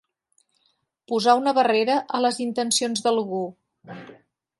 Posar una barrera a les intencions d'algú.